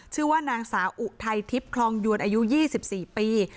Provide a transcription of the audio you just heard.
ชื่อว่านางสาวอุไททิพย์คลองยวนอายุยี่สิบสี่ปี